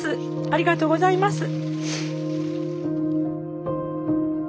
ありがとうございます。